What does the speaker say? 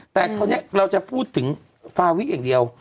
แต่ตอนนี้เราจะพูดถึงฟ้าวิสเองเดียว